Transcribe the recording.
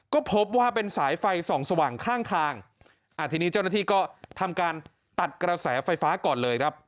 ก็พบว่าเป็นสายไฟส่องสว่างข้างทางทีนี้เจ้าหน้าที่ก็ทำการตัดกระแสไฟฟ้าก่อนเลยครับ